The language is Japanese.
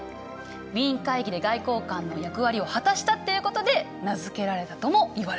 ウィーン会議で外交官の役割を果たしたっていうことで名付けられたともいわれてる。